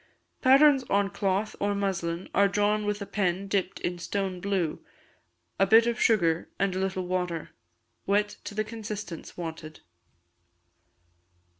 Patterns on cloth or muslin are drawn with a pen dipped in stone blue, a bit of sugar and a little water; wet to the consistence wanted.